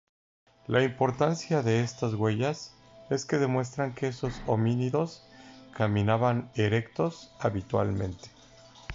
La importancia de estas huellas es que demuestran que esos homínidos caminaban erectos habitualmente.